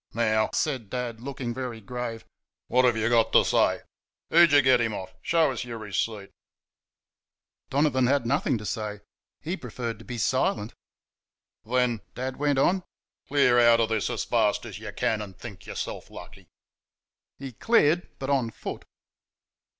"Now," said Dad, looking very grave, "what have y' got t' say? Who'd y' get him off? Show's y'r receipt." Donovan had nothing to say; he preferred to be silent. "Then," Dad went on, "clear out of this as fast as you can go, an' think y'rself lucky." He cleared, but on foot.